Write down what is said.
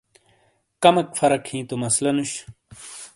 کَمیک فرق ہِیں تو مسلہ نُش۔